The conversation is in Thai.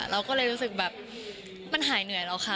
เราก็เลยรู้สึกแบบมันหายเหนื่อยแล้วค่ะ